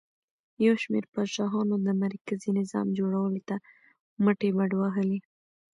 یو شمېر پاچاهانو د مرکزي نظام جوړولو ته مټې بډ وهلې